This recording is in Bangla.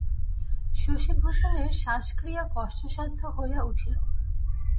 শশিভূষণের শ্বাসক্রিয়া কষ্টসাধ্য হইয়া উঠিল।